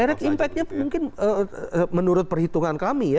direct impact nya mungkin menurut perhitungan kami ya